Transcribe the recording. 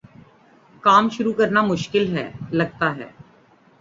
کام شروع کرنا مشکل لگتا ہے